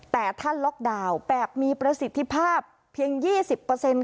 แต่ท่านล็อกดาวน์แบบมีประสิทธิภาพเพียง๒๐